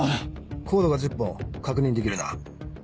コードが１０本確認できるな？